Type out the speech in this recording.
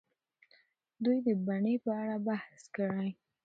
دوی د بڼې په اړه بحث کړی.